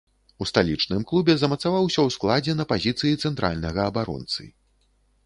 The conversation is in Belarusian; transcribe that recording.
У сталічным клубе замацаваўся ў складзе на пазіцыі цэнтральнага абаронцы.